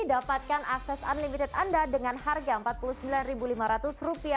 dapatkan akses unlimited anda dengan harga rp empat puluh sembilan lima ratus